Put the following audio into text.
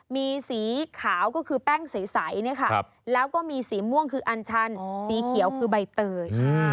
มีสีขาวก็คือแป้งใสแล้วก็มีสีม่วงคืออันชันสีเขียวคือใบเตย